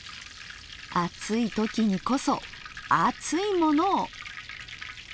暑い時にこそ熱いものを！